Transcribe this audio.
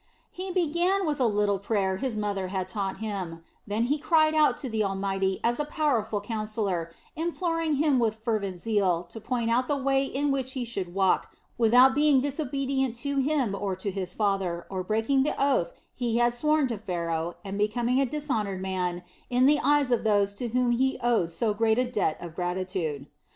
He began with a little prayer his mother had taught him; then he cried out to the Almighty as to a powerful counselor, imploring him with fervent zeal to point out the way in which he should walk without being disobedient to Him or to his father, or breaking the oath he had sworn to Pharaoh and becoming a dishonored man in the eyes of those to whom he owed so great a debt of gratitude.